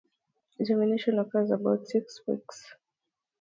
Germination occurs after about six weeks.